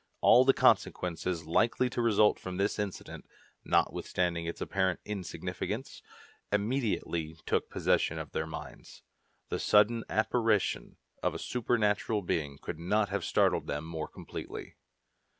All the consequences likely to result from this incident, notwithstanding its apparent insignificance, immediately took possession of their minds. The sudden apparition of a supernatural being could not have startled them more completely.